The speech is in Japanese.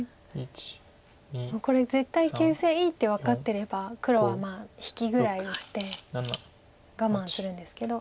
これ絶対形勢いいって分かってれば黒は引きぐらい打って我慢するんですけど。